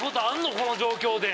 この状況で。